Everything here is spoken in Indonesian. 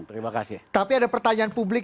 terima kasih tapi ada pertanyaan publik